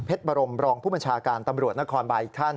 เพชรบรมรองผู้บัญชาการตำรวจณคอลบาย